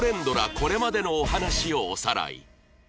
これまでのお話をおさらい